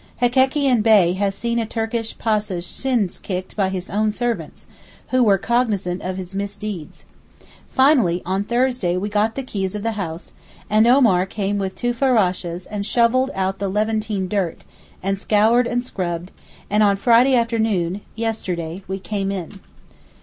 Hekekian Bey has seen a Turkish Pasha's shins kicked by his own servants, who were cognizant of his misdeeds. Finally, on Thursday we got the keys of the house, and Omar came with two ferashes and shovelled out the Levantine dirt, and scoured and scrubbed; and on Friday afternoon (yesterday) we came in.